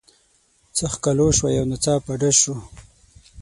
څه ښکالو شوه یو ناڅاپه ډز شو.